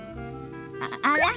あら？